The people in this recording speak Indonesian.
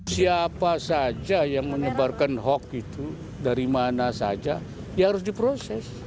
siapa saja yang menyebarkan hoax itu dari mana saja ya harus diproses